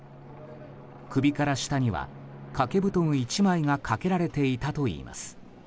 首から下には、かけ布団１枚がかけられていたといいます。